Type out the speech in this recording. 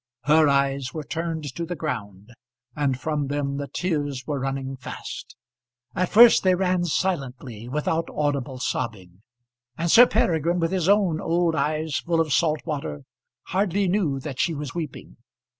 Her eyes were turned to the ground, and from them the tears were running fast. At first they ran silently, without audible sobbing, and Sir Peregrine, with his own old eyes full of salt water, hardly knew that she was weeping.